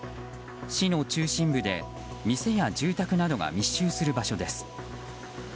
市の中心部で店や住宅などが密集する場所です。